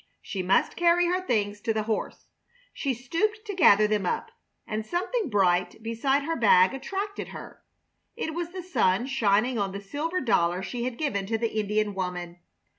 She must carry her things to the horse. She stooped to gather them up, and something bright beside her bag attracted her. It was the sun shining on the silver dollar she had given to the Indian woman.